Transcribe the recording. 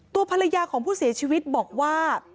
ตัวภรรยาของผู้เสียชีวิตบอกว่า